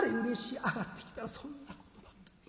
上がってきたらそんな言葉。